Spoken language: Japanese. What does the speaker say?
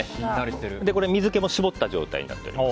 水気も絞った状態になっております。